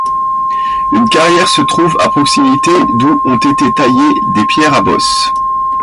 Une carrière se trouve à proximité, d'où ont été taillés des pierres à bosse.